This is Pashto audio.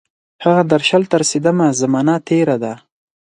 هغه درشل ته رسیدمه، زمانه تیره ده